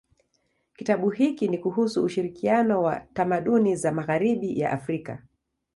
Kitabu hiki ni kuhusu ushirikiano wa tamaduni za magharibi na Afrika.